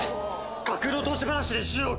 架空の投資話で１０億